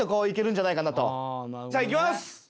じゃいきます。